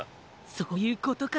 そういうことか。